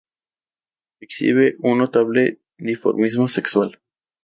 Exhibe un notable dimorfismo sexual.